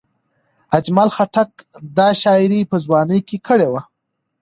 اجمل خټک دا شاعري په ځوانۍ کې کړې وه.